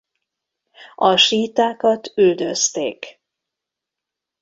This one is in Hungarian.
A síitákat üldözték.